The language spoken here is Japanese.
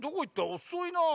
おそいなぁ。